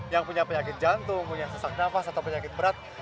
yang punya penyakit jantung punya sesak nafas atau penyakit berat